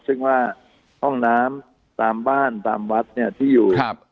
ซึ่งว่าห้องน้ำตามบ้านตามวัดเนี่ยที่อยู่ครับ